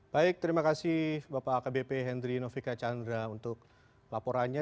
baik terima kasih bapak akbp hendry novika chandra untuk laporannya